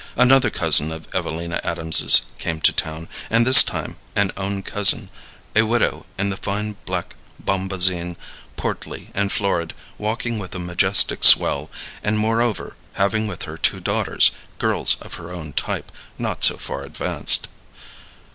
Another cousin of Evelina Adams's came to town, and this time an own cousin a widow in fine black bombazine, portly and florid, walking with a majestic swell, and, moreover, having with her two daughters, girls of her own type, not so far advanced.